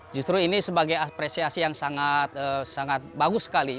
justru ini sebagai apresiasi yang sangat bagus sekali